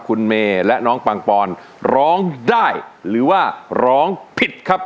คุณเมย์และน้องปังปอนร้องได้หรือว่าร้องผิดครับ